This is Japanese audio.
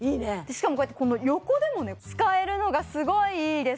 しかもこうやってこの横でもね使えるのがすごいいいです！